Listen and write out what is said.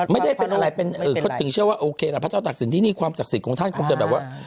ไม่ได้เป็นอะไรเป็นเขาถึงเชื่อว่าโอเคล่ะพระเจ้าตักศิลป์ที่นี่ความศักดิ์สิทธิ์ของท่านคงจะแบบว่า